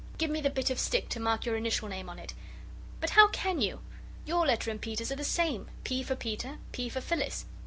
Give me the bit of stick to mark your initial name on it. But how can you? Your letter and Peter's are the same. P. for Peter, P. for Phyllis."